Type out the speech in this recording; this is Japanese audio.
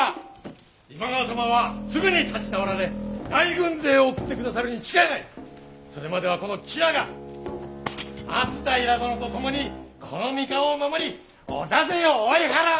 今川様はすぐに立ち直られ大軍勢を送ってくださるに違いない！それまではこの吉良が松平殿と共にこの三河を守り織田勢を追い払う！